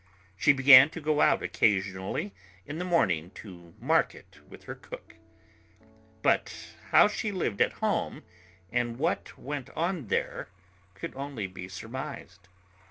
She began to go out occasionally in the morning to market with her cook. But how she lived at home and what went on there, could only be surmised.